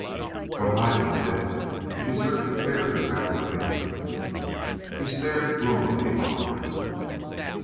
"What have I done, Dick, to deserve the care you have for me?" He stared gloomily on her.